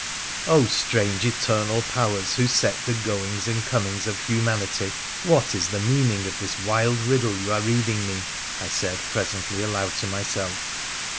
'Oh, strange eternal powers who set the goings and comings of humanity, what is the meaning of this wild riddle you are reading me ?' I said presently aloud to myself.